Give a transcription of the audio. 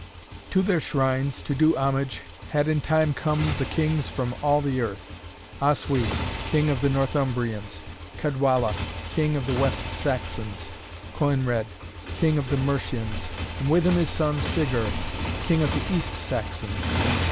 To their shrines, to do homage, had in time come the Kings from all the earth: Oswy, King of the Northumbrians, Cædwalla, King of the West Saxons, Coenred, King of the Mercians, and with him his son Sigher, King of the East Saxons.